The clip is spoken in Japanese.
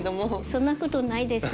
そんなことないです。